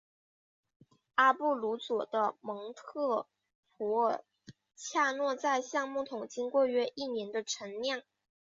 阿布鲁佐的蒙特普尔恰诺在橡木桶经过约一年的陈酿。